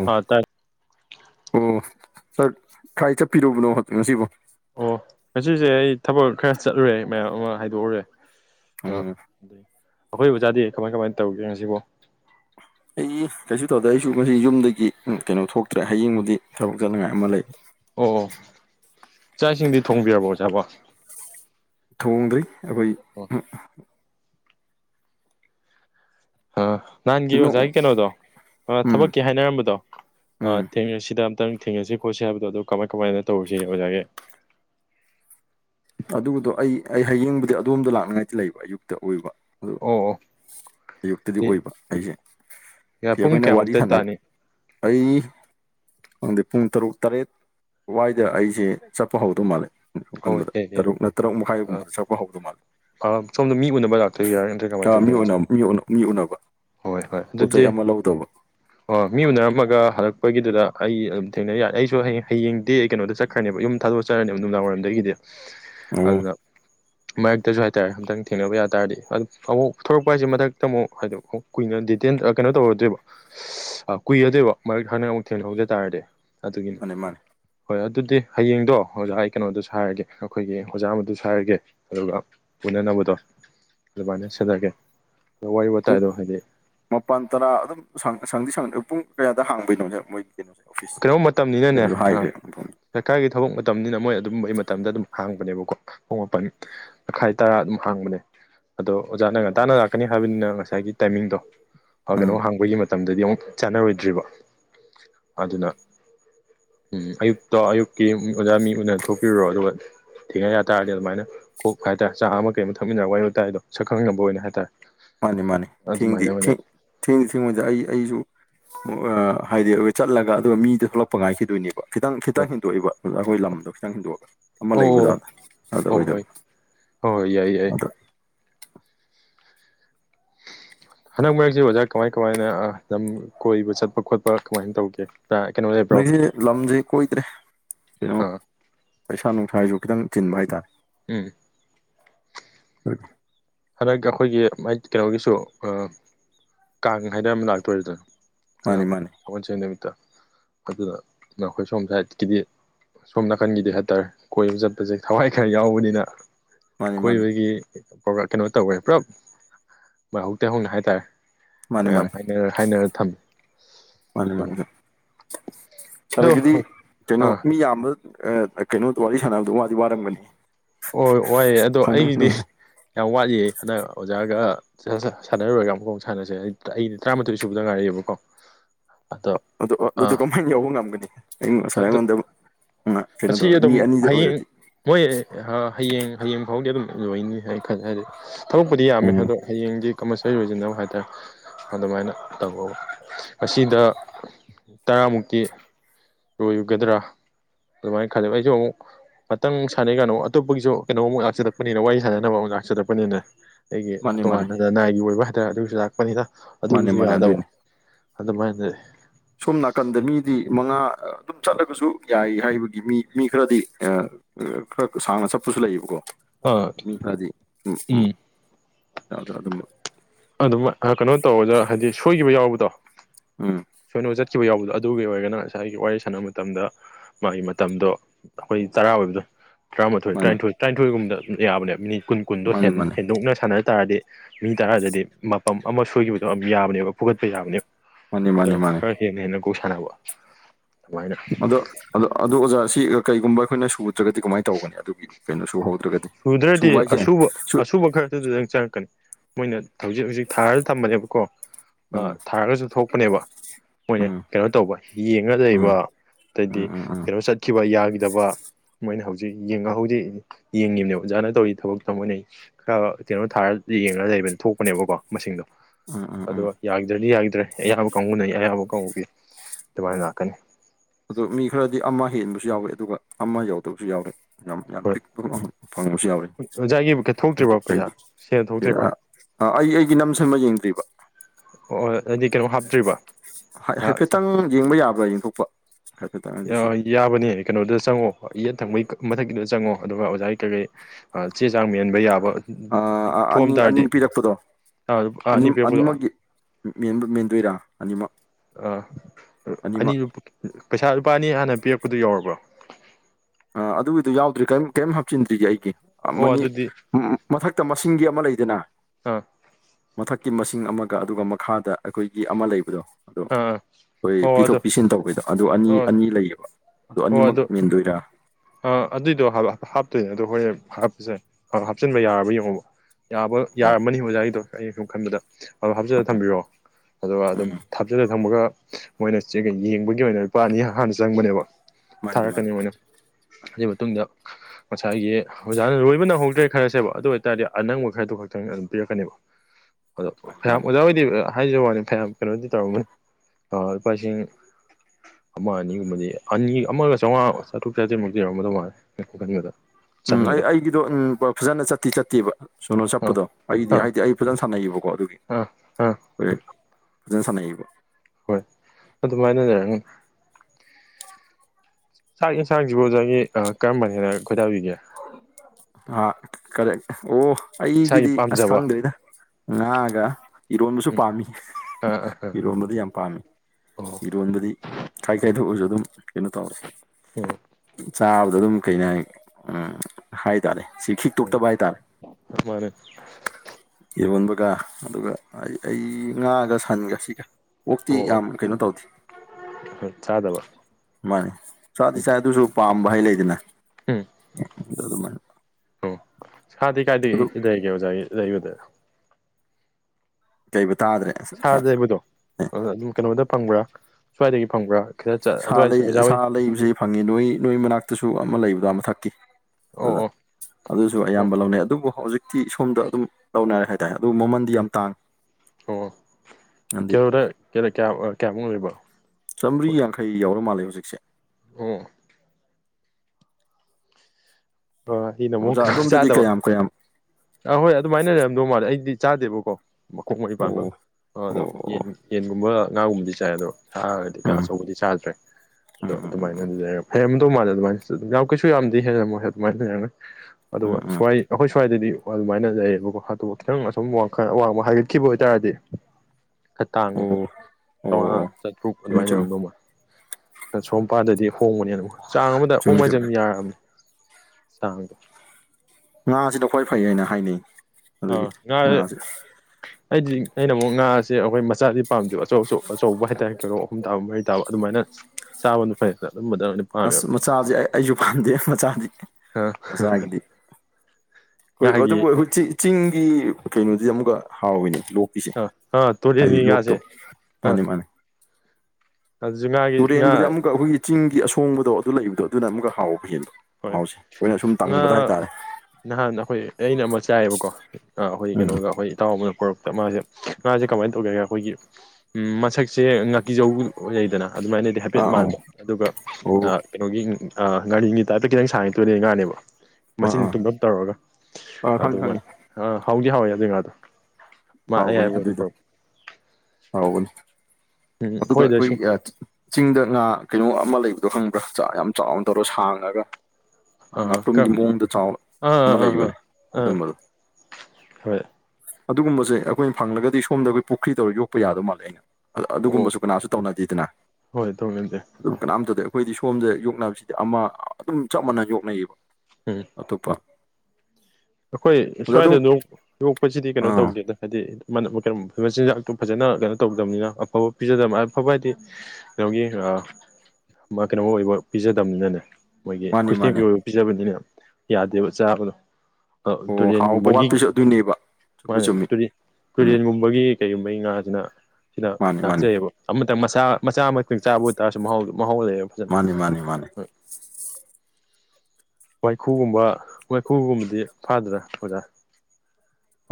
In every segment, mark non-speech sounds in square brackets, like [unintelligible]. ꯑꯣ ꯑ ꯇ ꯑꯣ ꯁꯥꯔ ꯀꯥꯏ ꯆꯠꯄꯤꯔꯨꯕꯅꯣꯖꯤ ꯉꯁꯤꯕꯣ ꯑꯣ ꯉꯁꯤꯁꯦ ꯑꯩ ꯊꯕꯛ ꯈꯔ ꯆꯠꯂꯨꯔꯦ ꯃꯌꯥꯝ ꯑꯃ ꯍꯥꯏꯗꯣꯛꯎꯨꯔꯦ ꯑ ꯎꯝ ꯑꯗꯨ ꯑꯩꯈꯣꯏ ꯑꯣꯖꯥꯗꯤ ꯀꯃꯥꯏ ꯀꯃꯥꯏꯅ ꯇꯧꯒꯦ ꯉꯁꯤꯕꯨꯣ ꯑꯩ ꯀꯩꯁꯨ ꯇꯧꯗꯦ ꯑꯩꯁꯨ ꯃꯁꯤ ꯌꯨꯝꯗꯒꯤ ꯀꯩꯅꯣ ꯊꯣꯛꯇ꯭ꯔꯦ ꯍꯌꯦꯡꯕꯨꯗꯤ ꯊꯕꯛ ꯆꯅꯤꯡꯉꯥꯏ ꯑꯃ ꯂꯩ ꯑꯣ ꯆꯩ ꯏꯥꯡꯁꯤꯡꯗꯤ ꯊꯣꯡꯕꯤꯔꯕꯣ ꯁꯥꯥꯕ ꯊꯣꯡꯗ꯭ꯔꯤ ꯑꯩꯈꯣꯏ꯫ ꯑꯣ ꯑ ꯅꯍꯥꯟꯒꯤ ꯅꯣꯡ ꯑꯣꯖꯥꯒꯤ ꯀꯩꯅꯣꯗꯣ ꯎꯝ ꯊꯕꯛꯀꯤ ꯍꯥꯏꯅꯔꯝꯕꯗꯣ꯫ ꯑ ꯎꯝ ꯊꯦꯡꯅꯁꯤꯗ ꯑꯝꯇꯪ ꯊꯦꯡꯅꯁꯤ ꯈꯣꯠꯁꯤ ꯍꯥꯏꯕꯗꯣ ꯑꯗꯣ ꯀꯃꯥꯏ ꯀꯃꯥꯏꯅ ꯇꯧꯔꯤꯁꯤ ꯑꯣꯖꯥꯒꯤ꯫ ꯑꯗꯨꯗꯣ ꯑꯩ ꯑꯩ ꯍꯌꯦꯡꯕꯨꯗꯤ ꯑꯗꯣꯝꯗ ꯂꯥꯛꯅꯤꯡꯉꯥꯏꯗꯤ ꯂꯩꯕ ꯑꯌꯨꯛꯇ ꯑꯣꯏꯕ꯫ ꯑꯗꯣ ꯑꯣ ꯑꯣ꯫ ꯑꯌꯨꯛꯇꯗꯤ ꯑꯣꯏꯕ ꯑꯦ ꯑꯩꯁꯦ ꯁꯤ ꯄꯨꯡ ꯑꯩꯈꯣꯏꯅ ꯋꯥꯔꯤ ꯀꯌꯥꯃꯨꯛꯇ ꯁꯥꯟꯅꯔꯦ ꯇꯥꯅꯤ ꯑꯩ꯫ ꯈꯪꯗꯦ ꯄꯨꯡ ꯇꯔꯨꯛ ꯇꯔꯦꯠ ꯑꯗꯨꯋꯥꯏꯗ ꯑꯩꯁꯦ ꯆꯠꯄ ꯍꯧꯗꯧ ꯃꯥꯜꯂꯦ ꯍꯣꯏ ꯈꯟꯕꯗ꯫ ꯌꯥꯏ ꯇꯔꯨꯛꯅ ꯇꯔꯨꯛ ꯌꯥꯏ ꯃꯈꯥꯏꯒꯨꯝꯕꯗ ꯆꯠꯄ ꯍꯧꯗꯧ ꯃꯥꯜꯂꯤ꯫ ꯁꯣꯝꯗ ꯃꯤ ꯎꯅꯕ ꯂꯥꯛꯇꯣꯏꯔꯥ ꯅꯠꯇ꯭ꯔꯒ ꯀꯃꯥꯏꯅ ꯑꯥ ꯃꯤ ꯇꯧꯗꯣꯏꯅꯣ ꯎꯅ ꯑꯣꯖꯥ ꯃꯤ ꯎꯅ ꯃꯤ ꯎꯅꯕ꯫ ꯄꯣꯠ ꯆꯩꯩ ꯑꯃ ꯂꯧꯗꯧꯕ꯫ ꯑꯥ ꯃꯤ ꯎꯅꯔꯝꯃꯒ ꯍꯜꯂꯛꯄꯒꯤꯗꯨꯗ ꯑꯩ ꯑꯗꯨꯝ ꯊꯦꯡꯅꯩ ꯌꯥꯏ ꯑꯩꯁꯨ ꯍꯌꯦꯡ ꯍꯌꯦꯡꯗꯤ ꯑꯩ ꯀꯩꯅꯣꯗ ꯆꯠ꯫ ꯈꯔꯅꯦꯕ ꯌꯨꯝ ꯊꯥꯗꯣꯛꯆꯠꯂꯅꯦꯕ ꯅꯨꯡꯗꯥꯡ ꯋꯥꯏꯔꯝꯗꯒꯤꯗꯤ ꯑꯣ ꯑꯗꯨꯅ꯫ ꯃꯔꯛꯇꯁꯨ ꯍꯥꯏꯇꯥꯔꯦ ꯑꯃꯛꯇꯪ ꯊꯦꯡꯅꯕ ꯌꯥ ꯇꯥꯔꯗꯤ ꯑꯗꯨ ꯑꯃꯨꯛ ꯊꯣꯔꯛꯄ ꯍꯥꯏꯁꯤ ꯃꯊꯛꯇ ꯑꯃꯨꯛ ꯍꯥꯏꯗꯣꯛ꯫ ꯀꯨꯏꯅ ꯗꯤꯇꯦꯟ ꯀꯩꯅꯣ ꯇꯧꯔꯗꯣꯏꯕ ꯀꯨꯏꯔꯗꯣꯏꯕ ꯃꯔꯛ ꯍꯟꯗꯛ ꯑꯃꯨꯛ ꯊꯦꯡꯅꯍꯧꯗ ꯇꯥꯔꯗꯤ꫰꫰ ꯑꯗꯨꯒꯤꯅꯤ ꯃꯥꯅꯦ ꯃꯥꯅꯦ ꯍꯣꯏ ꯑꯗꯨꯗꯤ ꯍꯌꯦꯡꯗꯣ ꯑꯣꯖꯥ ꯍꯥꯏ ꯀꯩꯅꯣꯗꯨꯁꯨ ꯍꯥꯏꯔꯒꯦ ꯑꯩꯈꯣꯏꯒꯤ ꯑꯣꯖꯥ ꯑꯃꯗꯨ ꯁꯥꯔꯒꯦ ꯑꯗꯨꯒ ꯎꯅꯅꯕꯗꯣ꯫ ꯑꯗꯨꯃꯥꯏꯅ ꯁꯥꯟꯂꯒꯦ ꯑꯗ ꯋꯥꯔꯤ ꯋꯥꯇꯥꯏꯗꯣ ꯍꯥꯏꯗꯤ꯫ ꯃꯄꯥꯟ ꯇꯔꯥ ꯑꯗꯨꯝ ꯁꯪꯗꯤ ꯁꯪ ꯄꯨꯡ ꯀꯌꯥꯗ ꯍꯥꯡꯕꯩꯅꯣꯁꯦ ꯃꯣꯏ꯫ ꯀꯩꯅꯣꯁꯦ ꯑꯣꯐꯤꯁ ꯀꯩꯅꯣꯝ ꯃꯇꯝꯅꯤꯅꯅꯦ ꯍꯥꯏꯗꯤ ꯃꯐꯝ ꯁꯔꯀꯥꯔꯒꯤ ꯊꯕꯛ ꯃꯇꯝꯅꯤꯅ ꯃꯣꯏ ꯑꯗꯨꯝꯕꯒꯤ ꯃꯇꯝꯗ ꯑꯗꯨꯝ ꯍꯥꯡ ꯕꯅꯦꯀꯣ ꯄꯨꯡ ꯃꯥꯄꯟ ꯃꯈꯥꯏ ꯇꯔꯥ ꯑꯗꯨꯝ ꯍꯥꯡꯕꯅꯦ꫰꫰ ꯑꯗꯣ ꯑꯣꯖꯥꯅ ꯉꯟꯇꯥꯥꯟꯅ ꯂꯥꯛꯀꯅꯤ ꯍꯥꯏꯕꯅꯤꯅ ꯉꯁꯥꯏꯒꯤ ꯇꯥꯏꯃꯤꯡꯗꯣ ꯎꯝ ꯀꯩꯅꯣ ꯍꯥꯡꯕꯒꯤ ꯃꯇꯝꯗꯗꯤ ꯑꯃꯨꯛ ꯆꯥꯟꯅꯔꯣꯏꯗ꯭ꯔꯤꯕ꯫ ꯑꯗꯨꯅ ꯎꯝ ꯑꯌꯨꯛꯇꯣ ꯑꯌꯨꯛꯀꯤ ꯑꯣꯖꯥ ꯃꯤ ꯎꯅ ꯊꯣꯛꯄꯤꯔꯨꯔꯣ ꯑꯗꯨꯒ ꯊꯦꯡꯅ ꯌꯥꯇꯥꯥꯔꯗꯤ ꯑꯗꯨꯃꯥꯏꯅ꯫ ꯀꯣꯛ ꯍꯥꯏꯇꯥꯔꯦ ꯆꯥ ꯑꯃ ꯀꯩ ꯑꯃ ꯊꯛꯃꯤꯟꯅꯔ ꯋꯥꯔꯤ ꯋꯥꯇꯥꯏꯗꯣ ꯁꯛꯈꯪꯅꯕ ꯑꯣꯏꯅ ꯍꯥꯏꯇꯥꯔꯦ꯫ ꯃꯥꯅꯤ ꯃꯥꯅꯤ ꯊꯦꯡꯗꯤ ꯑꯗꯨꯃꯥꯏꯅ ꯑꯣꯏꯅ ꯊꯦꯡ ꯊꯦꯡꯗꯤ ꯊꯦꯡꯉꯣꯏꯗ ꯑꯩ ꯑꯩꯁꯨ ꯍꯥꯏꯗꯤ ꯆꯠꯂꯒ ꯑꯗꯨꯒ ꯃꯤꯗꯨ ꯊꯣꯛꯂꯛꯄ ꯉꯥꯏꯈꯤꯗꯣꯏꯅꯦ꯫ ꯈꯤꯇꯪ ꯍꯣꯏ ꯈꯤꯇꯪ ꯍꯦꯟꯗꯣꯛꯏꯕ ꯑꯩꯈꯣꯏ ꯂꯝꯗꯣ ꯈꯤꯇꯪ ꯍꯦꯟꯗꯣꯛꯑꯒ ꯑꯃ ꯂꯩꯕꯗꯣ ꯑꯣ ꯑꯗꯨ꯫ ꯑꯗ ꯑꯣ ꯑꯣꯏꯗꯣꯏꯕ꯫ ꯍꯣꯏ ꯍꯣꯏ ꯍꯣꯏ ꯌꯥꯏ ꯌꯥꯏ꯫ ꯑꯗ ꯍꯟꯗꯛ ꯃꯔꯛꯁꯦ ꯑꯣꯖꯥ ꯀꯃꯥꯏ ꯀꯃꯥꯏꯅ ꯂꯝ ꯀꯣꯏꯕ ꯆꯠꯄ ꯈꯣꯠꯄ ꯀꯃꯥꯏꯅ ꯇꯧꯒꯦ꯫ ꯀꯩꯅꯣꯁꯦ꫰꫰ [unintelligible] ꯂꯝꯁꯦ ꯀꯣꯏꯗ꯭ꯔꯦ꯫ ꯑꯥ ꯄꯩꯁꯥ ꯅꯨꯡꯁꯥꯁꯨ ꯈꯤꯇꯪ ꯆꯤꯟꯕ ꯍꯥꯏꯇꯥꯔꯦ ꯎꯝ ꯍꯟꯗꯛ ꯑꯩꯈꯣꯏꯒꯤ ꯀꯩꯅꯣꯒꯤꯁꯨ ꯀꯥꯡ ꯍꯥꯏꯗꯅ ꯑꯃ ꯂꯥꯛꯇꯣꯔꯤꯗꯅ ꯅ ꯃꯥꯅꯤ ꯃꯥꯅꯤ ꯊꯒꯟꯁ ꯅꯨꯃꯤꯠꯇ [inaudible] ꯑꯗꯨꯅ ꯅꯈꯣꯏ ꯁꯣꯝ ꯁꯥꯏꯠꯀꯤꯗꯤ ꯁꯣꯝ ꯅꯥꯀꯟꯒꯤꯗꯤ ꯍꯥꯏꯇꯥꯔꯦ ꯀꯣꯏꯕ ꯆꯠꯄꯁꯦ ꯊꯋꯥꯏ ꯈꯔ ꯌꯥꯎꯕꯅꯤꯅ ꯃꯥꯅꯤ ꯃꯥꯅꯤ ꯀꯣꯏꯕꯒꯤ ꯀꯩꯅꯣ ꯇꯧꯈ꯭ꯔꯦ ꯄꯨꯂꯞ ꯍꯧꯖꯤꯛꯇꯒꯤ ꯍꯧꯅ ꯍꯥꯏꯇꯥꯔꯦ ꯃꯥꯅꯦ ꯃꯌꯥꯝ ꯃꯥꯅꯦ ꯍꯥꯏꯅꯔ ꯍꯥꯏꯅꯔ ꯊꯝꯃꯦ ꯃꯥꯅꯦ ꯃꯥꯅꯦ ꯑꯗꯣ ꯑꯗꯨꯗꯒꯤꯗꯤ ꯀꯩꯅꯣ ꯑꯥ ꯃꯤ ꯌꯥꯝꯕ ꯀꯩꯅꯣꯗꯣ ꯋꯥꯔꯤ ꯁꯥꯟꯅꯕꯗꯣ ꯋꯥꯗꯤ ꯋꯥꯔꯝꯒꯅꯤ ꯑꯣ ꯍꯣꯢꯑꯦ ꯑꯗꯣ ꯑꯩꯒꯤꯗꯤ ꯈꯪꯅꯕꯅꯦ ꯌꯥꯝ ꯋꯥꯠꯂꯤꯌꯦ ꯍꯟꯗ ꯑꯣꯖꯥꯒ ꯁꯥꯟꯅ ꯂꯣꯏꯔꯒ ꯑꯃꯨꯛꯀ ꯑꯃꯨꯛ ꯁꯥꯟꯅꯁꯦ ꯑꯩꯗꯤ ꯇꯔꯥꯃꯥꯊꯣꯏ ꯁꯨꯕꯗ ꯉꯥꯏꯔꯤꯕꯀꯣ ꯑꯗꯨ ꯑꯗꯨ ꯀꯃꯥꯏꯅ ꯌꯧꯕ ꯉꯝꯒꯅꯤ ꯑꯩ ꯉꯁꯥꯏ ꯑꯗꯣ ꯑꯩꯉꯣꯟꯗ꯫ ꯑꯥ ꯀꯩꯅꯣ ꯑꯁꯤ ꯇꯧꯔꯦ ꯃꯤ ꯑꯗꯨꯝ ꯑꯅꯤꯗ ꯍꯌꯦꯡ ꯑꯣꯏꯔꯗꯤ ꯃꯣꯏ ꯍꯌꯦꯡ ꯍꯌꯦꯡ ꯐꯥꯎꯗꯤ ꯑꯗꯨꯝ ꯂꯣꯏꯅꯤ ꯍꯥꯏ ꯈꯜꯂꯤ ꯍꯥꯏꯗꯤ ꯊꯕꯛꯄꯨꯗꯤ ꯌꯥꯝꯃꯦ ꯎꯝ ꯑꯗꯣ ꯍꯌꯦꯡꯗꯤ ꯀꯥꯝ [inaudible] ꯍꯥꯏꯇꯥꯔꯦ ꯑꯗꯨꯃꯥꯏꯅ ꯇꯧꯋꯕ ꯑꯁꯤꯗ꯫ ꯇꯔꯥꯃꯨꯛꯗꯤ ꯂꯣꯏꯒꯗ꯭ꯔꯥ ꯑꯗꯨꯃꯥꯏꯅ ꯈꯜꯂꯦꯕ ꯑꯩꯁꯨ ꯑꯃꯨꯛ ꯉꯥꯛꯇꯪ ꯁꯥꯟꯅꯩ ꯀꯥꯟ ꯑꯇꯣꯞꯄꯒꯤꯁꯨ ꯀꯩꯅꯣꯃꯨꯛ ꯂꯥꯛꯖꯤꯟ ꯂꯛꯄꯅꯤꯅ ꯋꯥꯔꯤ ꯁꯥꯟꯅꯅꯕ ꯑꯃꯨꯛ ꯂꯥꯛꯆꯔꯛꯄꯅꯤꯅ ꯑꯩꯒꯤ ꯃꯥꯅꯦ ꯃꯥꯅꯦ ꯇꯣꯉꯥꯟꯅ ꯔꯅꯥꯏꯒꯤ ꯑꯣꯏꯕ ꯍꯥꯏꯇꯥꯔꯦ ꯑꯗꯨꯒꯤꯁꯨ ꯂꯥꯛꯄꯅꯤꯅ ꯃꯥꯅꯦ ꯑꯗꯨꯒꯤꯁꯨ ꯃꯥꯅꯦ ꯌꯥꯗꯕ ꯑꯗꯨꯏꯅꯦ ꯑꯗꯨꯃꯥꯏꯅꯗꯤ ꯁꯣꯝ ꯅꯥꯀꯟꯗ ꯃꯤꯗꯤ ꯃꯉꯥ ꯑꯗꯨꯝ ꯆꯠꯂꯒꯁꯨ ꯌꯥꯏ ꯍꯥꯏꯕꯒꯤ ꯃꯤ ꯃꯤ ꯈꯔꯗꯤ ꯈꯔ ꯁꯥꯡꯅ ꯆꯠꯄꯁꯨ ꯂꯩꯌꯦꯕꯀꯣ ꯑꯥ ꯃꯤ ꯈꯔꯗꯤ ꯎꯝ ꯎꯝ ꯌꯥꯎ ꯑꯗꯨ [inaudible] ꯑꯗꯨꯝ ꯀꯩꯅꯣ ꯇꯧꯔꯒ ꯍꯥꯏꯗꯤ ꯁꯣꯏꯈꯤꯕ ꯌꯥꯎꯕꯗꯣ ꯎꯝ ꯁꯣꯏꯅꯣ ꯆꯠꯈꯤꯕ ꯌꯥꯎꯕꯗꯣ ꯑꯗꯨꯒꯤ ꯑꯣꯏꯔꯒꯅ ꯉꯁꯥꯏꯒꯤ ꯋꯥꯔꯤ ꯁꯥꯟꯅꯕ ꯃꯇꯝꯗ ꯃꯥꯒꯤ ꯃꯇꯝꯗꯣ ꯑꯩꯈꯣꯏ ꯇꯔꯥ ꯑꯣꯏꯕꯗꯣ ꯇꯔꯥꯃꯥꯊꯣꯏ ꯃꯥꯅꯦ ꯇꯔꯥꯅꯤꯊꯣꯏ ꯇꯔꯥꯅꯤꯊꯣꯏꯒꯨꯝꯕ ꯑꯗꯨꯝ ꯌꯥꯕꯅꯦꯕ ꯃꯤꯅꯤ ꯀꯨꯟ ꯀꯨꯟꯗꯣ ꯃꯥꯅꯦ ꯃꯥꯅꯦ ꯍꯦꯟꯗꯣꯛꯅ ꯁꯥꯟꯅ ꯇꯥꯔꯗꯤ ꯃꯤ ꯇꯔꯥꯗꯗꯤ ꯃꯇꯝ ꯑꯃ ꯁꯣꯏꯈꯤꯕꯗꯣ ꯑꯗꯨꯝ ꯌꯥꯕꯅꯦꯕ ꯐꯨꯒꯠꯄ ꯌꯥꯕꯅꯦꯕ ꯃꯥꯅꯦ ꯃꯥꯅꯦ ꯃꯥꯅꯦ ꯈꯔ ꯍꯦꯟꯅ ꯍꯦꯟꯅ ꯀꯣꯛ ꯁꯥꯟꯅꯕ ꯑꯗꯨꯃꯥꯏꯅ ꯑꯗꯣ ꯑꯗꯣ ꯑꯗꯣ ꯑꯣꯖꯥ ꯁꯤ ꯀꯩꯒꯨꯝꯕ ꯑꯩꯈꯣꯏꯅ ꯁꯨꯗ꯭ꯔꯒꯗꯤ ꯀꯃꯥꯏꯅ ꯇꯧꯕꯒꯅꯤ ꯑꯗꯨꯒꯤ ꯀꯩꯅꯣ ꯁꯨꯍꯧ ꯁꯨꯗ꯭ꯔꯗꯤ ꯑꯁꯨꯕ ꯑꯁꯨꯕ ꯈꯔꯛꯗꯨꯇꯪ ꯆꯪꯉꯛꯀꯅꯤ ꯃꯣꯏꯅ ꯍꯧꯖꯤꯛ ꯍꯧꯖꯤꯛ ꯊꯥꯔꯁꯨ ꯊꯝꯕꯅꯦꯕꯀꯣ ꯎꯝ ꯊꯥꯔꯒꯁꯨ ꯊꯣꯛꯄꯅꯦꯕ ꯍꯣꯏꯅꯦ ꯎꯝ ꯀꯩꯅꯣ ꯇꯧꯕ ꯌꯦꯡꯉ ꯎꯝ ꯂꯩꯕ ꯑꯗꯩꯗꯤ ꯎꯝ ꯎꯝ ꯎꯝ ꯀꯩꯅꯣ ꯆꯠꯈꯤꯕ ꯌꯥꯈꯤꯗꯕ ꯃꯣꯏꯅ ꯍꯧꯖꯤꯛ ꯌꯦꯡꯉꯍꯧꯋꯤ ꯌꯦꯡꯉꯤꯃꯤꯅꯦ ꯑꯣꯖꯥꯅ ꯇꯧꯔꯤ ꯊꯕꯛ ꯊꯃꯣꯏꯅ ꯈ ꯀꯩꯅꯣ ꯊꯥꯔ ꯌꯦꯡꯉꯒ ꯂꯩꯕꯅꯤ ꯊꯣꯛꯄꯅꯦꯕꯀꯣ ꯃꯁꯤꯡꯗꯣ ꯎꯝ ꯎꯝ ꯎꯝ ꯑꯗꯨꯒ ꯌꯥꯒꯤꯗ꯭ꯔꯗꯤ ꯌꯥꯒꯤꯗ꯭ꯔꯦ ꯑꯌꯥꯕ ꯀꯥꯡꯕꯨꯅ ꯑꯌꯥꯕ ꯀꯥꯡꯕꯨꯒꯤ ꯑꯗꯨꯃꯥꯏꯅ ꯂꯥꯛꯀꯅꯤ ꯑꯗꯣ ꯃꯤ ꯈꯔꯗꯤ ꯑꯃ ꯍꯦꯟꯕꯁꯨ ꯌꯥꯎꯋꯦ ꯑꯗꯨꯒ ꯑꯃ ꯌꯥꯎꯗꯕꯁꯨ ꯌꯥꯎꯋꯦ ꯌꯥꯝ ꯌꯥꯝ ꯍꯣꯏ ꯄꯤꯛꯄ ꯐꯪꯕꯁꯨ ꯌꯥꯎꯋꯦ ꯑꯣꯖꯥꯒꯤ ꯊꯣꯛꯇ꯭ꯔꯤꯕꯣ ꯐꯦꯁꯕꯨꯛꯇꯩ ꯄꯩꯁꯥ ꯁꯦꯜ ꯊꯣꯛꯇ꯭ꯔꯤꯕ꯭ꯔꯣ ꯑꯩ ꯑ ꯑꯩꯒꯤ ꯅꯝꯁꯤꯟꯕ ꯌꯦꯡꯗꯔꯤꯕ ꯑꯣ ꯑꯩꯗꯤ ꯍꯥꯏꯐꯦꯠꯇꯪ ꯌꯦꯡꯕ ꯌꯥꯕ꯭ꯔꯥ ꯌꯦꯡꯊꯣꯛꯄ ꯍꯥꯏꯐꯦꯠꯇꯪ ꯍꯥꯏꯗꯤ ꯁꯤ ꯌꯥꯕꯅꯤ ꯀꯩꯅꯣꯗꯨꯗ ꯆꯪꯉꯣ ꯌꯦꯠ ꯊꯪꯕꯒꯤ ꯃꯊꯛꯀꯤꯗꯨꯗ ꯆꯪꯉꯣ ꯑꯗꯨꯒ ꯑꯣꯖꯥꯒꯤ ꯀꯩꯀꯩ ꯆꯦ ꯆꯥꯡ ꯃꯦꯟꯕ ꯌꯥꯕ ꯊꯣꯛꯑꯝ ꯑꯅꯤ ꯇꯥꯔꯗꯤ ꯑꯅꯤ ꯄꯤꯔꯛꯄꯗꯣ ꯑꯥ ꯑꯥ ꯑꯅꯤ ꯄꯤꯔꯛꯄꯗꯣ ꯃꯦꯟꯗꯣꯏꯔꯥ ꯑꯅꯤꯃꯛ ꯑꯥ ꯑꯅꯤ ꯑꯅꯤꯃꯛ ꯄꯩꯁꯥ ꯂꯨꯄꯥ ꯑꯅꯤ ꯍꯥꯟꯅ ꯄꯤꯔꯛꯄꯗꯣ ꯌꯤꯎꯔꯕ꯭ꯔꯣ ꯑ ꯑꯗꯨꯒꯤꯗꯨ ꯌꯥꯎꯗ꯭ꯔꯤ ꯀꯔꯤꯝ ꯀꯔꯤꯝ ꯍꯥꯞꯆꯤꯟꯗ꯭ꯔꯤ ꯑꯩꯒꯤ ꯑꯣ ꯑꯗꯨꯗꯤ ꯃꯊꯛꯇ ꯃꯁꯤꯡꯗꯤ ꯑꯃ ꯂꯩꯗꯅ ꯑꯥ ꯃꯊꯛꯀꯤ ꯃꯁꯤꯡ ꯑꯃꯒ ꯑꯗꯨꯒ ꯃꯈꯥꯗ ꯑꯩꯈꯣꯏꯒꯤ ꯑꯃ ꯂꯩꯕꯗꯣ ꯑꯗꯣ ꯑꯥ ꯑꯥ ꯑꯈꫭꯏ ꯑꯣ ꯄꯤꯊꯣꯛ ꯑꯗꯣ ꯄꯤꯁꯤꯟ ꯇꯧꯕꯤꯗꯣ ꯑꯗꯨ ꯑꯅꯤ ꯑꯣ ꯑꯅꯤ ꯂꯩꯌꯦꯕ ꯑꯗꯣ ꯑꯅꯤꯃꯛ ꯃꯦꯟꯗꯣꯏꯔꯥ ꯑ ꯑꯗꯨꯏꯗꯣ ꯍꯥꯞꯇꯣꯏꯅꯦ ꯑꯗꯣ ꯍꯣꯔꯦꯟ ꯍꯥꯞꯄꯁꯦ ꯍꯥꯞꯆꯤꯟꯕ ꯌꯥꯔꯕ ꯌꯦꯡꯉꯨꯕ ꯌꯥꯕ ꯑꯣ ꯌꯥꯔꯝꯃꯅꯤ ꯑꯣꯖꯥꯒꯤꯗꯣ ꯑꯩ ꯁꯨꯝ ꯈꯟꯕꯗ ꯑ ꯍꯥꯞꯆꯤꯟꯜꯂꯒ ꯎꯝ ꯊꯝꯕꯤꯔꯣ ꯑꯗꯨꯒ ꯑꯗꯨꯝ ꯎꯝ ꯊꯥꯞꯆꯜꯂ ꯊꯝꯃꯒ ꯃꯣꯏꯅ ꯆꯦꯛꯀꯤꯡ ꯌꯦꯡꯕꯒꯤ ꯑꯣꯏꯅ ꯂꯨꯄꯥ ꯑꯅꯤ ꯍꯥꯟꯅ ꯆꯪꯕꯅꯦꯕ ꯃꯥꯅꯦ ꯃꯥꯅꯦ ꯊꯥꯔꯛꯀꯅꯤ ꯃꯣꯏꯅ ꯑꯗꯨꯏ ꯃꯇꯨꯡꯗ ꯉꯁꯥꯏꯒꯤ ꯑꯣꯖꯥꯅ ꯂꯣꯏꯕ ꯅꯪꯍꯧꯗ꯭ꯔꯦ ꯈꯜꯂꯁꯦꯕ ꯑꯗꯨ ꯑꯣꯏ ꯍꯥꯏꯇꯥꯔꯗꯤ ꯑꯅꯪꯕ ꯈꯔꯗꯨ ꯈꯛꯇꯪ ꯑꯗꯨꯝ ꯄꯤꯔꯛꯀꯅꯦꯕ ꯑꯗꯣ ꯃꯥꯅꯤ ꯐꯌꯥꯝ ꯃꯥꯅꯤ ꯑꯣꯖꯥ ꯍꫭꯏꯗꯤ ꯍꯥꯏꯖ ꯋꯥꯅꯤ ꯐꯩꯌꯥꯝ ꯀꯩꯅꯣꯗꯤ ꯇꯧꯔꯝꯒꯅꯤ ꯂꯨꯄꯥ ꯂꯤꯁꯤꯡ ꯑꯃ ꯑꯅꯤꯒꯨꯝꯕꯗꯤ ꯑꯅꯤꯒ ꯑꯃꯒ ꯆꯧꯉꯥ ꯆꯥꯇ꯭ꯔꯨꯛ ꯆꯥꯇꯔꯦꯠ ꯃꯨꯛ ꯌꯧꯔꯝꯒꯗꯧ ꯃꯥꯜꯂꯦ ꯑꯩꯅꯁꯨꯝ ꯈꯟꯕꯗ ꯎꯝ ꯑꯩ ꯆꯪꯕꯗꯣ ꯑꯩꯒꯤꯗꯣ ꯎꯝ ꯐꯖꯅ ꯆꯠꯇꯤ ꯆꯠꯇꯦꯕ ꯁꯨꯅꯣ ꯑꯥ ꯆꯠꯄꯗꯣ ꯑꯩꯗꯤ ꯍꯥꯏꯗꯤ ꯑꯩ ꯐꯖꯅ ꯁꯥꯟꯅꯩꯌꯦꯕꯀꯣ ꯑꯗꯨꯒꯤ ꯑ ꯑꯥ ꯑꯩꯗꯤ ꯐꯖꯅ ꯁꯥꯟꯅꯩꯕ ꯍꯣꯏ ꯑꯗꯨꯃꯥꯏꯅꯅꯦ ꯆꯥꯛ ꯌꯦꯟꯁꯥꯡꯖꯤꯕꯨ ꯑꯣꯖꯥꯒꯤ ꯑ ꯀꯔꯝꯕꯅ ꯍꯦꯟꯅ ꯈꯣꯏꯗꯥꯕꯤꯒꯦ ꯑꯥ ꯀꯔꯦꯛ ꯑꯣ ꯏꯁꯥꯒꯤ ꯑꯩꯒꯤꯗꯤ ꯑꯁ ꯄꯥꯝꯖꯕ ꯈꯪꯗꯔꯤꯗ ꯉꯥꯒ ꯏꯔꯣꯟꯕꯁꯨ ꯎꯝ ꯄꯥꯝꯃꯤ ꯑꯥ ꯑꯥ ꯑꯥ ꯏꯔꯣꯟꯕꯗꯤ ꯌꯥꯝ ꯄꯥꯝꯃꯤ ꯑꯣ ꯏꯔꯣꯟꯕꯗꯤ ꯈꯥꯏ ꯈꯥꯏ ꯊꯛꯑꫭꯖꯨ ꯑꯗꯨꯝ ꯀꯩꯅꯣ ꯇꯧꯔꯦ ꯎꯝ ꯆꯥꯕꯗ ꯑꯗꯨꯝ ꯀꯩꯅꯦ ꯍꯥꯏꯇꯥꯔꯦ ꯁꯤ ꯈꯤꯛ ꯇꯣꯛꯇꯕ ꯍꯥꯏꯇꯥꯔꯦ ꯎꯝ ꯃꯥꯅꯦ ꯏꯔꯣꯟꯕꯒ ꯑꯗꯨꯒ ꯑꯩ ꯉꯥꯒ ꯁꯟꯒ ꯁꯤꯒ ꯑꯣꯛꯇꯤ ꯑꯣ ꯌꯥꯝ ꯀꯩꯅꯣ ꯇꯧꯗꯦ ꯑꯣ ꯆꯥꯗꯕ ꯃꯥꯅꯤ ꯆꯥꯗꯤ ꯎꯝ ꯆꯥꯏ ꯑꯗꯨꯁꯨ ꯄꯥꯝꯕ ꯍꯥꯏ ꯂꯩꯗꯅ ꯎꯝ ꯎꯝ ꯑꯗꯨꯗꯨ ꯃꯥꯏꯅ ꯑꯣ ꯁꯥꯗꯤ ꯀꯥꯏꯗꯩ ꯂꯩꯒꯦ ꯑꯣꯖꯥꯒꯤ ꯂꯩꯕꯗꯤ ꯀꯩꯕ ꯇꯥꯗ꯭ꯔꯦ ꯁꯥꯖ ꯍꯥꯏꯕꯗꯣ ꯑꯗꯨ ꯑꯗꯨꯝ ꯀꯩꯅꯣꯗ ꯐꯪꯕ꯭ꯔꯥ ꯁ꯭ꯋꯥꯏꯗꯒꯤ ꯐꯪꯕ꯭ꯔꯥ ꯈꯤꯇ ꯁꯥ ꯑꯗꯨꯋꯥꯏ ꯂꯩ ꯑꯣꯖꯥ ꯍꯣꯏ ꯁꯥ ꯂꯩꯕꯁꯦ ꯐꯪꯉꯤ ꯅꯣꯏ ꯅꯣꯏ ꯃꯅꯥꯛꯇꯁꯨ ꯑꯃ ꯂꯩꯕꯗꯣ ꯑꯃ ꯊꯛꯀꯤ ꯑꯣ ꯑꯗꯨꯗ ꯑꯣ ꯑꯗꯨꯁꯨ ꯑꯣ ꯑꯌꯥꯝꯕ ꯂꯧꯅꯩ ꯑꯗꯨꯕꯨ ꯍꯧꯖꯤꯛ ꯤ ꯁꯣꯝꯗ ꯑꯗꯨꯝ ꯇ ꯂꯧꯅꯔꯦ ꯍꯥꯏꯇꯥꯔꯦ ꯑꯗꯨ ꯃꯃꯟ ꯎ ꯑꯣ ꯍꯥꯏꯗꯤ ꯀꯣꯗ ꯀꯌꯥ ꯀꯌꯥꯃꯨꯛ ꯂꯩꯕꯣ ꯆꯥꯝꯔꯤ ꯌꯥꯡꯈꯩ ꯌꯥꯎꯔ ꯃꯥꯜꯂꯦ ꯍꯧꯖꯤꯛꯁꯦ ꯎꯝ ꯑ ꯍꯩꯅ ꯑꯃꯨꯛ ꯑꯣꯖꯥ ꯀꯈꯤꯇꯪ ꯑꯗꯣꯝꯗꯗꯤ ꯆꯥꯗꯕ ꯀꯌꯥꯝ ꯀꯌꯥꯝ ꯑꯥꯍꯣꯏ ꯑꯗꯨꯃꯥꯏꯅ ꯂꯩꯔꯝꯗꯧ ꯃꯥꯜꯂꯦ ꯑꯩꯗꯤ ꯆꯥꯗꯦꯕꯀꯣ ꯃꯈꯀꯣꯛ ꯃꯩ ꯄꯥꯟꯕꯥ ꯑꯣ ꯑꯗꯣ ꯑꯣ ꯌꯦꯟ ꯌꯦꯟꯒꯨꯝꯕ ꯉꯥꯒꯨꯝꯕꯗꯤ ꯆꯥꯏ ꯑꯗ꯭ꯔꯣ ꯁꯥꯥꯒꯗꯤ ꯀꯌꯥ ꯑꯣ ꯑꯆꯧꯕꯗꯤ ꯆꯥꯗ꯭ꯔꯦ ꯎꯝ ꯑꯗꯣ ꯎꯝ ꯎꯝ ꯑꯗꯨꯃꯥꯏꯅ ꯑꯗꯨ ꯂꯩꯔ ꯂꯩꯔꯝꯗꯧ ꯃꯥꯜꯂꯦ ꯑꯗꯨꯃꯥꯏꯅ ꯑꯗꯨꯝ ꯌꯥꯝ ꯀꯩꯁꯨ ꯌꯥꯝꯅꯗꯤ ꯍꯦꯜꯂꯝꯃꯣꯏꯍꯩ ꯑꯗꯨꯃꯥꯏꯅꯗꯤ ꯂꯩꯔꯝꯒꯅꯤ ꯎꯝ ꯑꯗꯨꯒ ꯎꯝ ꯎꯝ ꯁꯨꯋꯥꯏ ꯑꯩꯈꯣꯏ ꯁꯨꯋꯥꯏꯗꯗꯤ ꯑꯗꯨꯃꯥꯏꯅ ꯂꯩꯌꯦꯕꯀꯣ ꯍꯥꯊꯨ ꯈꯤꯇꯪ ꯑꯁꯨꯡ ꯋꯥꯡꯈꯩ ꯋꯥꯡꯕ ꯍꯥꯏꯒꯠꯈꯤꯕ ꯑꯣꯏꯇꯥꯔꯗꯤ ꯎ [inaudible] ꯈꯔ ꯇꯥꯡꯕꯅꯦ ꯆꯧꯉꯥ ꯆꯥꯇ꯭ꯔꯨꯛ ꯆꯨꯝꯃꯤ ꯑꯗꯨꯃꯥꯏꯅ ꯆꯨꯝꯃꯤ ꯂꯩꯔꯝꯗꯧ ꯃꯥꯜ ꯇꯁꯣꯝꯄꯥꯟꯗꯗꯤ ꯍꯣꯡꯕꯅꯦ ꯍꯦꯟꯅꯕꯨ ꯆꯥꯡ ꯑꯃꯗ ꯆꯨꯝꯃꯤ ꯍꯣꯡꯕ ꯍꯥꯏꯖꯦ ꯆꯨꯝꯃꯤ ꯑꯗꯨꯝ ꯌꯥꯔꯕꯅꯦ ꯆꯥꯡꯗꯣ ꯉꯥꯁꯤꯗ ꯈ꯭ꯋꯥꯏ ꯐꯩꯌꯦꯅ ꯍꯥꯏꯅꯩ ꯑꯗꯨꯒꯤ ꯑ ꯉꯥꯗꯤ ꯉꯥꯁꯦ ꯑꯩꯗꯤ ꯑꯩꯅ ꯑꯃꯨꯛ ꯉꯥꯁꯤ ꯁꯦ ꯑꯩꯈꯣꯏ ꯃꯆꯥꯗꯤ ꯄꯥꯝꯗꯦꯕ ꯑꯆꯧ ꯑꯆꯧ ꯑꯆꯧꯕ ꯍꯥꯏꯇꯥꯔꯦ ꯀꯤꯂꫭ ꯑꯍꯨꯝ ꯇꯥꯕ ꯃꯔꯤ ꯇꯥꯕ ꯑꯗꯨꯃꯥꯏꯅ ꯆꯥꯕꯅ ꯐꯩ ꯑꯗꯨꯝꯕꯗ ꯑꫭꯏꯅ ꯑꯁ ꯃꯆꯥꯗꯤ ꯑꯩ ꯑꯩꯁꯨ ꯄꯥꯝꯗꯦ ꯃꯆꯥꯗꯤ ꯑ ꯃꯆꯥꯒꯤꯗꯤ ꯍꯣꯏ ꯉꯥꯒꯤ ꯑꯗꯨꯕꯨ ꯍꯧ ꯆꯤꯡꯒꯤ ꯀꯩꯅꯣꯗꯤ ꯑꯃꯨꯛꯀ ꯍꯥꯎꯋꯤꯅꯦ ꯂꯣꯛ ꯏꯁꯦ ꯑ ꯑꯥ ꯍꯥꯏꯗꯤ ꯇꯨꯔꯦꯟꯒꯤ ꯂꯣꯛꯇꯣ ꯉꯥꯁꯦ ꯃꯥꯅꯤ ꯃꯥꯅꯤ ꯖꯨꯃ ꯇꯨꯔꯦꯟꯕꯨꯗꯤ ꯑꯃꯨꯛꯀ ꯑꯩꯈꯣꯏꯒꯤ ꯆꯤꯡꯒꯤ ꯑꯁꯣꯡꯕꯗꯣ ꯑꯗꯨ ꯂꯩꯕꯗꯣ ꯑꯗꯨꯅ ꯑꯃꯨꯛꯀ ꯍꯥꯎꯕ ꯍꯦꯟꯗꯣ ꯍꯣꯏ ꯑꯥꯎꯁꯦ ꯑꯩꯈꯣꯏꯅ ꯁꯨꯝ ꯉꯥ ꯇꯥꯡꯅꯤꯡꯕꯗ ꯍꯥꯏꯇꯥꯔꯦ ꯅꯍꯥꯟ ꯑꯩꯈꯣꯏ ꯑꯩꯅ ꯑꯃ ꯆꯥꯏꯌꯦꯕꯀꯣ ꯑꯩꯈꯣꯏ ꯎꯝ ꯀꯩꯅꯣꯒ ꯑꯩꯈꯣꯏ ꯏꯇꯥꯎꯕꯅ ꯍꯧꯔꯛꯇ ꯃꯥꯁꯦ ꯃꯥꯁꯦ ꯀꯃꯥꯏꯅ ꯇꯧꯒꯦ ꯑꯩꯈꯣꯏꯒꯤ ꯎꯝ ꯃꯁꯛꯁꯦ ꯉꯥꯀꯤꯖꯧ ꯑꯣꯏ ꯂꯩꯗꯅ ꯑꯗꯨꯃꯥꯏꯅ ꯂꯩꯗꯤ ꯍꯥꯏꯐꯦꯠ ꯑꯥ ꯑꯧ ꯃꯥꯟꯕ ꯑꯗꯨꯒ ꯑꯣ ꯀꯩꯅꯣꯒꯤ ꯉꯥꯔꯤꯒꯤ ꯇꯥꯏꯞꯇ ꯈꯤꯇꯪ ꯁꯥꯡꯉ ꯇꯣꯏꯗ ꯉꯥꯅꯦꯕ ꯑꯥ ꯃꯆꯤꯟ ꯑꯥ ꯇꯨꯡꯂꯞ ꯇꯧꯔꯒ ꯑꯥ ꯈꯪꯉꯤ ꯑꯗꯨꯃꯥꯏꯅ ꯈꯪꯉꯤ ꯑ ꯍꯧꯗꯤ ꯍꯥꯎꯋꯦ ꯑꯗꯨꯏ ꯉꯥꯗꯣ ꯃꯥ ꯍꯥꯎꯕꯅꯤ ꯑꯌꯥꯏꯕ ꯑꯣꯏꯅ ꯑꯗꯨꯏꯗꯣ ꯄꯨꯔꯛꯄ ꯍꯥꯎꯕꯅꯤ ꯎꯝ ꯑꯗꯨꯒ ꯑꯩꯈꯣꯏ ꯑꯩꯈꯣꯏꯗꯁꯨ ꯆꯤꯡꯗ ꯉꯥ ꯀꯩꯅꯣ ꯑꯃ ꯂꯩꯕꯗꯣ ꯍꯪꯕ꯭ꯔꯥ ꯆꯥꯛ ꯌꯥꯝ ꯆꯥꯎꯅ ꯇꯧꯔ ꯁꯥꯡꯉꯒ ꯑꯥ ꯀ ꯉꯥꯄ꯭ꯔꯨꯝꯒꯤ ꯃꯑꯣꯡꯗ ꯆꯥꯎꯕ ꯑꯥ ꯑꯃ ꯑꯥ ꯑꯥ ꯑꯥ ꯂꯩꯕꯅꯦ ꯑꯥ ꯑꯗꯨꯝꯕꯗꯣ ꯍꯣꯏ ꯑꯗꯨꯒꯨꯝꯕꯁꯦ ꯑꯩꯈꯣꯏꯅ ꯐꯪꯂꯒꯗꯤ ꯁꯣꯝꯗ ꯑꯩꯈꯣꯏ ꯄꯨꯈ꯭ꯔꯤ ꯇꯧꯔꯒ ꯌꯣꯛꯄ ꯌꯥꯗꯧ ꯃꯥꯜꯂꯦ ꯑꯩꯅ ꯑꯣ ꯑꯗꯨꯒꯨꯝꯕꯁꯨ ꯀꯅꯥꯁꯨ ꯇꯧꯅꯗꯦꯗꯅ ꯍꯣꯏ ꯇꯧꯅꯗꯦ ꯑꯗꯨ ꯀꯅꯥꯝꯇꯗꯦ ꯑꯩꯈꯣꯏꯗꯤ ꯁꯣꯝꯗ ꯌꯣꯛꯅꯕꯁꯤꯗꯤ ꯑꯃ ꯑꯗꯨꯝ ꯆꯞ ꯃꯥꯟꯅ ꯌꯣꯛꯅꯩꯌꯦꯕ ꯎꯝ ꯑꯇꯣꯞꯄ ꯑꯩꯈꯣꯏ ꯑꯗ ꯑꯗꯨꯝ ꯁ꯭ꯋꯥꯏꯗꯗ ꯌꯣꯛꯄꯁꯤꯗꯤ ꯀꯩꯅꯣ ꯑꯥ ꯇꯧꯗꯦꯗ ꯍꯥꯏꯗꯤꯩꯅꯣ ꯃꯆꯤꯟꯖꯥꯛꯇꯨ ꯐꯖꯅ ꯀꯩꯅꯣ ꯇꯧꯗꯕꯅꯤꯅ ꯑꯐꯕ ꯄꯤꯖꯗꯕꯗꯤ ꯑꯐꯕ ꯍꯥꯏꯗꯤ ꯀꯩꯅꯣꯒꯤ ꯀꯩꯅꯣꯝ ꯑꯣꯏꯕ ꯄꯤꯖꯗꯕꯅꯤꯅꯅꯦ ꯃꯣꯏꯒꯤ ꯃꯥꯅꯤ ꯈꯨꯁꯦꯝꯒꯤ ꯃꯥꯅꯤ ꯑꯣꯏꯕ ꯄꯤꯖꯕꯅꯤꯅ ꯌꯥꯗꯦꯕ ꯆꯥꯕꯗꯣ ꯑ ꯑꯣ ꯍꯥꯎꯕ ꯇꯨꯔꯦꯟꯒꯨꯝꯕꯒꯤ ꯋꯥꯠꯄꯁꯨ ꯑꯗꯨꯅꯦꯕ ꯆꯨꯝꯃꯤ ꯃꯥꯅꯦ ꯆꯨꯝꯃꯤ ꯆꯨꯝꯃꯤ ꯇꯨꯔꯦꯟꯒꯨꯝꯕꯒꯤ ꯀꯩꯒꯨꯝꯕꯒꯤ ꯉꯥꯁꯤꯅ ꯁꯤꯗ ꯃꯥꯅꯤ ꯃꯥꯅꯤ ꯉꯥꯛꯆꯩꯑꯕ ꯑꯃꯇꯪ ꯃꯆꯥ ꯃꯆꯥ ꯑꯃꯪ ꯆꯥꯕ ꯑꯣꯏꯇꯥꯔꯁꯨ ꯃꯍ ꯃꯍꯥꯎ ꯂꯩꯌꯦꯕ ꯐꯖꯅ ꯃꯥꯅꯤ ꯃꯥꯅꯤ ꯃꯥꯅꯤ ꯋꯥꯏꯈꯨꯒꯨꯝꯕ ꯋꯥꯏꯈꯨꯒꯨꯝꯕꯗꯤ ꯐꯥꯗ꯭ꯔꯥ ꯑꯣꯖꯥ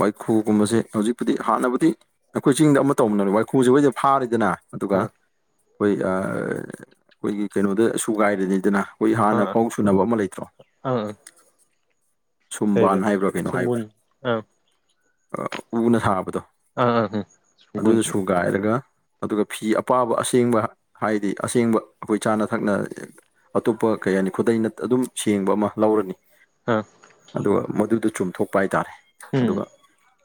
ꯋꯥꯏꯈꯨꯒꯨꯝꯕꯁꯦ ꯍꯧꯖꯤꯛꯄꯨꯗꯤ ꯍꯥꯟꯅꯕꯨꯗꯤ ꯑꯩꯈꯣꯏ ꯆꯤꯡꯗ ꯑꯃ ꯇꯧꯕꯅꯅꯦ ꯋꯥꯏꯈꯨꯁꯦ ꯍꯣꯏꯗꯤ ꯐꯥꯔꯤꯗꯅ ꯑꯗꯨꯒ ꯑꯥ ꯑꯩꯈꯣꯏ ꯑꯩꯈꯣꯏꯒꯤ ꯀꯩꯅꯣꯗ ꯁꯨꯒꯥꯏꯔꯤꯅꯤꯗꯅ ꯑꯩꯈꯣꯏ ꯍꯥꯟꯅ ꯑꯥ ꯐꯥꯎ ꯁꯨꯅꯕ ꯑꯃ ꯂꯩꯇ꯭ꯔꯣ ꯑꯥ ꯑ ꯁꯨꯝꯕꯥꯟ ꯍꯥꯏꯕ꯭ꯔꯥ ꯀꯩꯅꯣ ꯁꯨꯡꯕꯨꯟ ꯍꯥꯏꯕ꯭ꯔꯥ ꯑꯥ ꯎꯅ ꯁꯥꯕꯗꯣ [unintelligible] ꯒꯥꯥꯏꯔꯒ ꯑꯗꯨꯒ ꯐꯤ ꯑꯄꯥꯕ ꯑꯁꯦꯡꯕ ꯍꯥꯏꯗꯤ ꯑꯁꯦꯡꯕ ꯑꯩꯈꯣꯏ ꯆꯥꯅ ꯊꯛꯅ ꯑꯇꯣꯞꯄ ꯀꯩ ꯍꯥꯏꯅꯤ ꯈꯨꯗꯩ ꯅꯠ ꯑꯗꯨꯝ ꯁꯦꯡꯕ ꯑꯃ ꯂꯧꯔꯅꯤ ꯍꯥꯥ ꯑꯗꯨꯒ ꯃꯗꯨꯗ‌ꯣ ꯆꯨꯝꯊꯣꯛꯄ ꯍꯥꯏ ꯇꯥꯔꯦ ꯑꯗꯨꯒ ꯎꯝ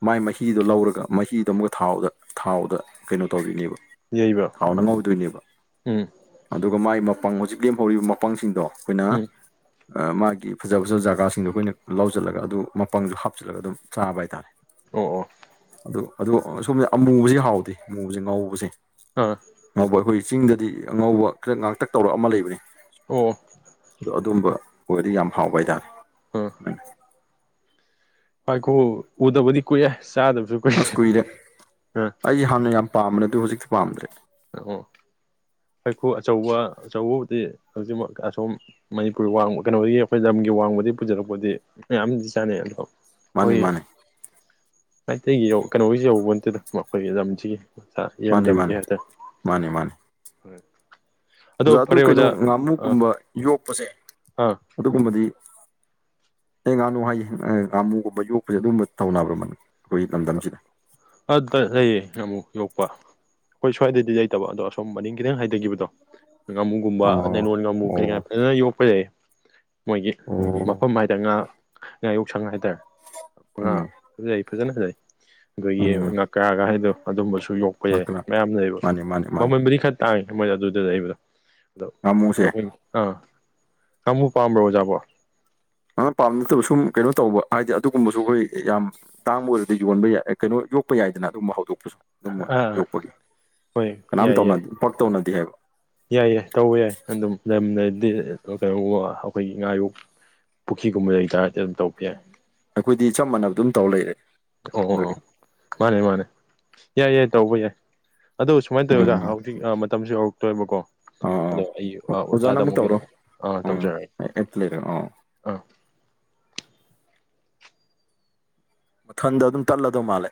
ꯃꯥꯏ ꯃꯍꯤꯗꯨꯣ ꯂꯧꯔꯒ ꯃꯍꯤꯗꯣ ꯑꯃꯨꯛꯀ ꯊꯥꯎꯗ ꯊꯥꯎꯗ ꯀꯩꯅꯣ ꯇꯧꯔꯤꯅꯦꯕ ꯌꯩꯕ ꯊꯥꯎꯅ ꯉꯧꯗꯣꯏꯅꯦꯕ ꯎꯝ ꯑꯗꯨꯒ ꯃꯥꯏ ꯃꯄꯥꯡ ꯍꯧꯖꯤꯛ ꯂꯦꯝꯍꯧꯔꯤꯕ ꯃꯄꯥꯡꯁꯤꯡꯗꯣ ꯑꯩꯈꯣꯏꯅ ꯎꯝ ꯃꯥꯒꯤ ꯐꯖ ꯐꯖꯕ ꯖꯒꯥ ꯁꯤꯡꯗꯣ ꯑꯩꯈꯣꯏꯅ ꯂꯧꯁꯤꯜꯂꯒ ꯑꯗꯨ ꯃꯄꯪꯗ ꯍꯥꯞꯆꯤꯜꯂꯒ ꯑꯗꯨꯝ ꯆꯥꯕ ꯍꯥꯏꯇꯥꯔꯦ ꯑꯣ ꯑꯣ ꯑꯗꯨ ꯑꯗꯣ ꯁꯣꯝꯗ ꯑꯃꯨꯕꯕꯁꯤ ꯍꯥꯎꯗꯦ ꯑꯃꯨꯕꯁꯤ ꯉꯧꯕꯁꯦ ꯑꯥ ꯑꯉꯧꯕ ꯑꯩꯈꯣꯏ ꯆꯤꯡꯗꯗꯤ ꯑꯉꯧꯕ ꯈꯤꯇ ꯉꯥꯛꯇꯛ ꯇꯧꯔꯛ ꯑꯃ ꯂꯩꯕꯅꯤ ꯑꯣ ꯑꯗꯣ ꯑꯗꯨꯝꯕ ꯑꯣꯏꯔꯗꯤ ꯌꯥꯝ ꯍꯥꯎꯕ ꯍꯥꯏꯇꯥꯔꯦ [unintelligible] ꯉꯥꯏꯈꯣ ꯎꯗꯕꯗꯤ ꯀꯨꯏꯔ‌ꯦ ꯆꯥꯗꯕꯁꯨ ꯑꯁ ꯀꯨꯏꯔꯦ ꯑꯥ ꯑꯩ ꯍꯥꯟꯅ ꯌꯥꯝ ꯄꯥꯝꯕꯅꯦ ꯑꯗꯨ ꯍꯧꯖꯤꯛꯇꯤ ꯄꯥꯝꯗ꯭ꯔꯦ ꯑꯣ ꯍꯩꯈꯨ ꯑꯆꯧꯕ ꯑꯆꯧꯕꯕꯨꯗꯤ ꯍꯧꯖꯤꯛꯃꯛ ꯑꯁꯣꯝ ꯃꯅꯤꯄꯨꯔ ꯋꯥꯡꯃꯥ ꯀꯩꯅꯣꯗꯒꯤ ꯑꯩꯈꯣꯏ ꯂꯝꯒꯤ ꯋꯥꯡꯃꯗꯒꯤ ꯄꯨꯖꯤꯔꯛꯄꯗꯤ ꯃꯌꯥꯝꯗꯤ ꯆꯥꯅꯩ ꯑꯗꯣ ꯃꯥꯅꯦ ꯑꯩꯈꯣꯏ ꯃꯥꯅꯦ ꯃꯩꯇꯩꯒꯤ ꯀꯩꯅꯣꯁꯤ ꯌꯧꯄ‌ꯣꯟꯇ‌ꯦꯗ ꯑꯩꯈꯣꯏꯒꯤ ꯂꯝꯁꯤꯒꯤ ꯏꯔꯝꯗꯝꯒꯤ ꯍꯥꯏꯇꯥꯔꯦ ꯃꯥꯅ‌ꯦ ꯃꯥꯅꯦ ꯍꯣꯏ ꯑꯗꯣ ꯑꯣꯖꯥꯗꯨ ꯐꯔꯦ ꯀꯩꯅꯣ ꯑꯣꯖꯥ ꯑꯥ ꯉꯥꯃꯨꯀꯨꯝꯕ ꯌꯣꯛꯄꯁꯦ ꯑꯥ ꯑꯗꯨꯒꯨꯝꯕꯗꯤ ꯑꯦ ꯉꯥꯅꯨ ꯍꯥꯏꯌꯦ ꯉꯥꯃꯨꯒꯨꯝꯕ ꯌꯣꯛꯄꯁꯦ ꯑꯗꯨꯝꯕ ꯇꯧꯅꯕ꯭ꯔꯃꯅꯤ ꯑꯩꯈꯣꯏꯒꯤ ꯂꯝꯗꯝꯁꯤꯗ ꯑꯗ ꯂꯩꯌꯦ ꯉꯃꯨ ꯌꯣꯛꯄ ꯈ‌ꯣꯏ ꯁ꯭ꯋꯥꯏꯗꯗꯤ ꯂꯩꯇꯕ ꯑꯗꯣ ꯑꯁꯣꯝ ꯃꯅꯤꯡ ꯈꯤꯇꯪ ꯍꯥꯏꯊꯈꯤꯕꯗꯣ ꯉꯥꯃꯨꯒꯨꯝꯕ ꯑꯣ ꯅꯥꯏꯂ‌ꯣꯟ ꯉꯥꯃꯨ ꯀꯩꯀꯥ ꯑꯣ ꯐꯖꯅ ꯌꯣꯛꯄ ꯂꯩꯌ‌ꯦ ꯃꯣꯏꯒꯤ ꯑꯣ ꯃꯐꯝ ꯍꯥꯏꯇꯥꯔ ꯉꯥ ꯉꯥꯌꯣꯛꯁꯪ ꯍꯥꯏꯇꯥꯔꯦ ꯉꯥ ꯎꯝ ꯐꯖꯩ ꯐꯖꯅ ꯐꯖꯩ ꯑꯈꯣꯏꯒꯤ ꯎꯝ ꯉꯥꯀ꯭ꯔꯥꯒ ꯍꯥꯏꯗꯣ ꯑꯗꯨꯝꯕꯁꯨ ꯌꯣꯛꯄ ꯌꯥꯏ ꯉꯥꯛꯇꯅ ꯃꯌꯥꯝ ꯂꯩꯕ ꯃꯥꯅꯤ ꯃꯥꯅꯤ ꯃꯥꯅꯤ ꯃꯃꯜꯕꯨꯗꯤ ꯈꯔ ꯇꯥꯡꯉꯤ ꯃꯣꯏꯗ ꯑꯗꯨꯗ ꯂꯩꯕꯗꯣ ꯑꯗꯣ ꯉꯥꯃꯨꯁꯦ [unintelligible] ꯑꯥ ꯉꯃꯨ ꯄꯥꯝꯕ꯭ꯔꯣ ꯑꯣꯖꯥꯕꯣ ꯑꯍꯥ ꯄꯥꯝ ꯅꯠꯇꯕ ꯁꯨꯝ ꯀꯩꯅꯣ ꯇꯧꯕ ꯍꯥꯏꯗꯤ ꯑꯗꯨꯒꯨꯝꯕꯁꯨ ꯑꯩꯈꯣꯏ ꯌꯥꯝ ꯇꯥꯡꯕ ꯑꯣꯏꯔꯗꯤ ꯌꯣꯟꯕ ꯌꯥꯏ ꯀꯩꯅꯣ ꯌꯣꯛꯄ ꯌꯥꯏꯗꯅ ꯑꯗꯨꯝꯕ ꯍꯧꯗꯣꯛꯄꯁꯨ ꯑꯗꯨꯝꯃꯛ ꯑꯥ ꯌꯣꯛꯄꯒꯤ ꯍꯣꯏ ꯀꯅꯥꯝ ꯌꯥꯏ ꯌꯥꯏ ꯇꯧꯅꯗꯦ ꯄꯛ ꯇꯧꯅꯗꯦ ꯍꯥꯏꯕ ꯌꯥꯏ ꯌꯥꯏ ꯇꯧꯕ ꯌꯥꯏ ꯑꯗꯨꯝ ꯂꯝ ꯂꯩꯔꯗꯤ ꯀꯩꯅ‌ꯣ ꯑꯩꯈꯣꯏꯒꯤ ꯉꯥ ꯌꯣꯛ ꯄꯨꯈ꯭ꯔꯤꯒꯨꯝꯕ ꯂꯩꯇꯥꯔꯗꯤ ꯑꯗꯨꯝ ꯇꯧꯕ ꯌꯥꯏ ꯑꯩꯈꯣꯏꯗꯤ ꯆꯞ ꯃꯥꯟꯅꯕ ꯑꯗꯨꯝ ꯇꯧꯔ ꯂꯩꯔꯦ ꯑꯣ ꯑꯣ ꯑꯗꯨꯒꯤ ꯃꯥꯅꯦ ꯃꯥꯅꯦ ꯌꯥꯏ ꯌꯥꯏ ꯇꯧꯕ ꯌꯥꯏ ꯑꯗꯨ ꯁꯨꯃꯥꯏꯅ ꯇꯧꯋꯤ ꯑꯣꯖꯥ ꯎꯝ ꯍꯧꯖꯤꯛ ꯃꯇꯝꯁꯨ ꯌꯧꯔꯛꯇꯣꯏꯕꯀꯣ ꯑꯗꯣ ꯑꯣ ꯑꯩ ꯑꯣꯖꯥꯅ ꯑꯣꯖꯥꯗ ꯑꯃꯨꯛ ꯇꯧꯔꯣ ꯑ ꯎꯝ ꯇꯧꯖꯔꯛꯒꯦ ꯑꯩ ꯑꯝꯇ ꯂꯩꯔꯦ ꯑꯣ ꯑꯥ ꯃꯊꯟꯗ ꯑꯗꯨꯝ ꯇꯜꯂꯗꯣ ꯃꯥꯂꯦ